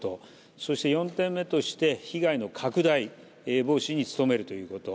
そして４点目として被害の拡大防止に努めるということ。